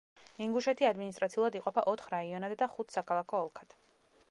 ინგუშეთი ადმინისტრაციულად იყოფა ოთხ რაიონად და ხუთ საქალაქო ოლქად.